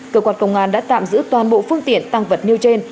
cơ quan công an đã tạm giữ toàn bộ phương tiện tăng vật nêu trên